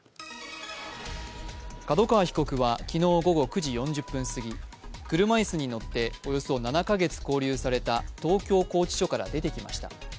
角川被告は昨日午後９時４０分すぎ車椅子に乗っておよそ７か月勾留された東京拘置所から出てきました。